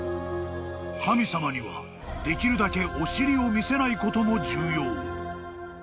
［神様にはできるだけお尻を見せないことも重要］